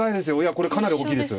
これかなり大きいです。